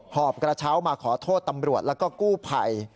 อบกระเช้ามาขอโทษตำรวจแล้วก็กู้ภัย